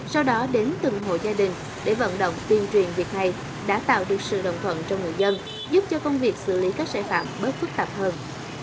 sau đó đến từng hội gia đình để vận động tuyên truyền việc này đã tạo được sự đồng thuận trong người dân giúp cho công việc xử lý các sai phạm bớt phức tạp hơn